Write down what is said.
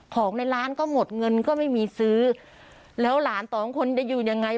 ของในร้านก็หมดเงินก็ไม่มีซื้อแล้วหลานสองคนจะอยู่ยังไง